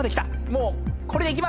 もうこれでいきます。